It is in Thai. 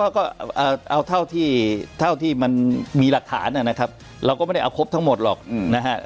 ก็เอาเท่าที่มันมีหลักฐานนะครับเราก็ไม่ได้เอาครบทั้งหมดหรอกนะฮะ